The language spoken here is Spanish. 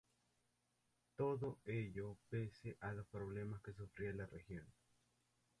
Todo ello pese a los problemas que sufría la región.